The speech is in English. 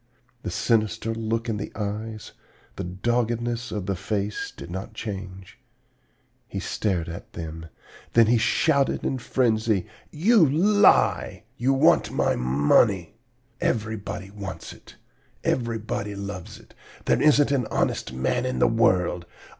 The sinister look in the eyes, the doggedness of the face did not change. He stared at them; then he shouted in frenzy: 'You lie! You want my money! Everybody wants it! Everybody loves it! There isn't an honest man in the world!